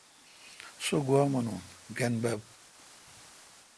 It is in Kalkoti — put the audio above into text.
سو گوا مینون۔ گینب بب۔